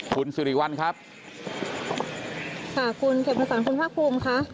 คุณสุริวัลครับคุณเกษตรสารคุณภาคภูมิค่ะ